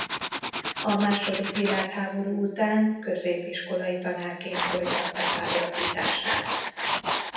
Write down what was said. A második világháború után középiskolai tanárként folytatta pályafutását.